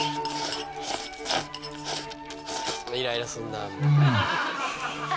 イライラすんなあ。